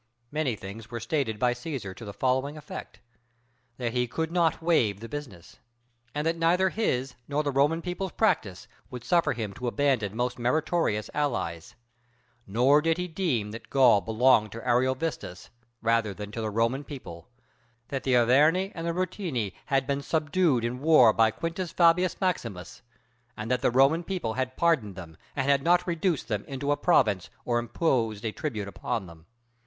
Many things were stated by Cæsar to the following effect: "That he could not waive the business, and that neither his nor the Roman people's practice would suffer him to abandon most meritorious allies; nor did he deem that Gaul belonged to Ariovistus rather than to the Roman people; that the Arverni and the Ruteni had been subdued in war by Quintus Fabius Maximus, and that the Roman people had pardoned them and had not reduced them into a province or imposed a tribute upon them.